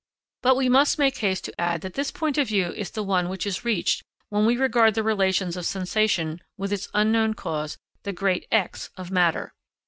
But we must make haste to add that this point of view is the one which is reached when we regard the relations of sensation with its unknown cause the great X of matter.